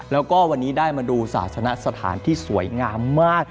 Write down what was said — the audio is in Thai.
แล้วก็วันนี้ได้มาดูศาสนสถานที่สวยงามมาก